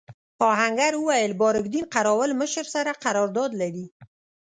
آهنګر وویل بارک دین قراوول مشر سره قرارداد لري.